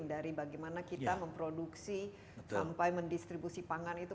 dari bagaimana kita memproduksi sampai mendistribusi pangan itu